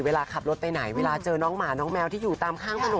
เวลาขับรถไปไหนเวลาเจอน้องหมาน้องแมวที่อยู่ตามข้างถนน